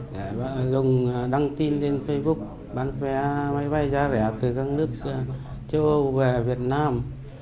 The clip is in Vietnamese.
để dùng đăng tin lên facebook bán vé máy bay giá rẻ từ các nước châu âu về việt nam